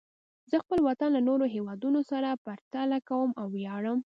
زه خپل وطن له نورو هېوادونو سره پرتله کوم او ویاړم.